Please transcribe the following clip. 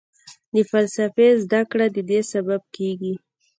د فلسفې زده کړه ددې سبب کېږي.